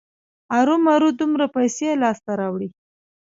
ارومرو دومره پیسې لاسته راوړي.